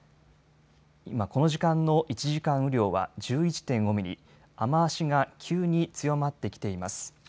今この時間の１時間雨量は１１．５ミリ、雨足が急に強まってきています。